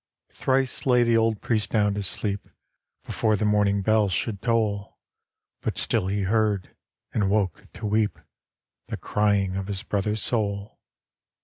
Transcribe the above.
Thrice lay the old priest down to sleep Before the morning bell should toll; But still he heard — and woke to weep — The crying of his brother's soul.